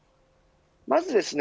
まずですね